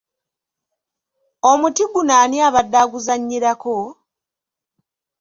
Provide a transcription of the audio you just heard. Omuti guno ani abadde aguzannyirako?